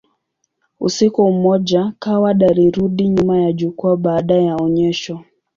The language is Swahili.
Usiku mmoja, Coward alirudi nyuma ya jukwaa baada ya onyesho.